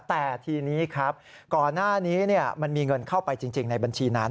แต่ทีนี้ครับก่อนหน้านี้มันมีเงินเข้าไปจริงในบัญชีนั้น